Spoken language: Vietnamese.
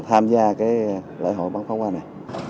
tham gia lễ hội bắn pháo hoa này